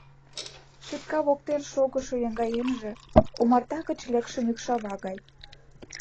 Шепка воктен шогышо еҥгаемже — омарта гыч лекше мӱкшава гай.